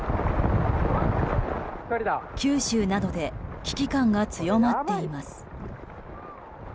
九州などで危機感が強まっています。